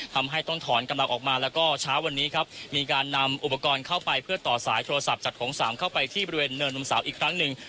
ทำให้ต้องถอนกำลังออกมาแล้วก็เช้าวันนี้ครับมีการนำอุปกรณ์เข้าไปเพื่อต่อสายโทรศัพท์จากโถงสามเข้าไปที่บริเวณเนินนมสาวอีกครั้งหนึ่ง